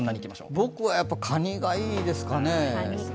僕はカニがいいですかね。